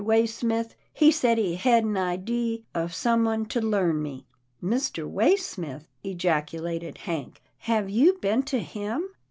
Waysmith, he said he hed an idee of someone to learn me." " Mr. Waysmith," ejaculated Hank, " have you been to him